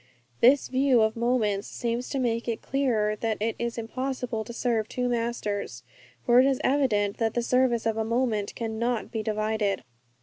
This view of moments seems to make it clearer that it is impossible to serve two masters, for it is evident that the service of a moment cannot be divided.